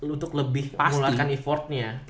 untuk lebih mulakan effortnya